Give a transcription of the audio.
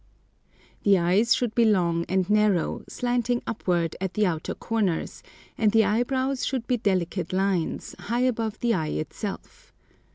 The eyes should be long and narrow, slanting upward at the outer corners; and the eyebrows should be delicate lines, high above the eye itself.